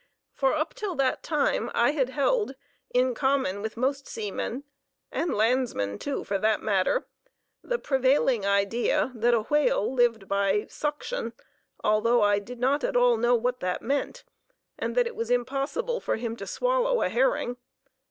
For up till that time I had held, in common with most seamen, and landsmen, too, for that matter, the prevailing idea that a "whale" lived by "suction" (although I did not at all know what that meant), and that it was impossible for him to swallow a herring.